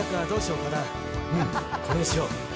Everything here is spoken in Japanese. うんこれにしよう。